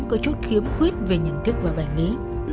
có chút khiếm khuyết về nhận thức và bài lý